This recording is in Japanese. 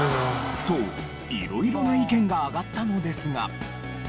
と色々な意見が上がったのですが。